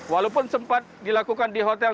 walaupun sempat dilakukan di hotel